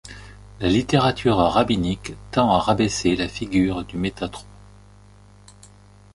La littérature rabbinique tend à rabaisser la figure de Métatron.